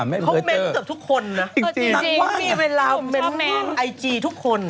นั้นเปลื่องอิเกียทุกคนถือว่านั้่นมีเวลาเปิ้ลไอจีทุกคน